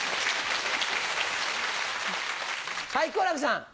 はい好楽さん。